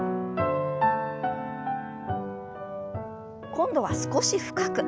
今度は少し深く。